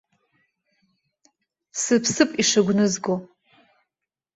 Сыԥсып ишыгәнызго.